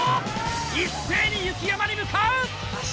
一斉に雪山に向かう！